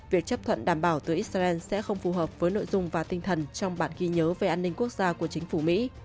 việc chấp thuận đảm bảo từ israel sẽ không phù hợp với nội dung và tinh thần trong bản ghi nhớ về an ninh quốc gia của chính phủ mỹ